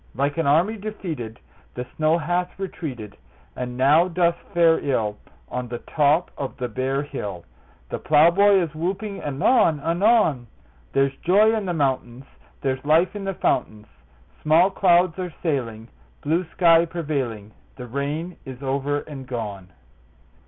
Like an army defeated The snow hath retreated, And now doth fare ill On the top of the bare hill; The plowboy is whooping anon anon: There's joy in the mountains; There's life in the fountains; Small clouds are sailing, Blue sky prevailing; The rain is over and gone!